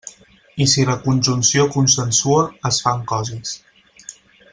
I si la conjunció consensua, es fan coses.